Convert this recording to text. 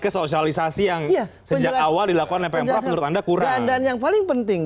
ke sosialisasi yang sejak awal dilakukan mpn operate anda kurang dan yang paling penting